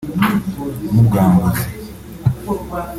nk’ubwambuzi